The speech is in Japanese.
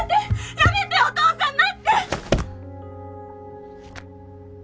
やめてお父さん待って！